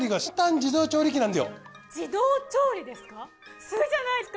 自動調理ですか？